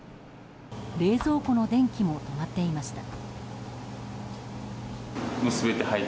冷蔵庫の電気も止まっていました。